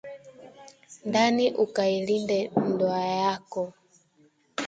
ndani ukailinde ndoa yako!